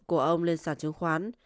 của ông lên sản chứng khoán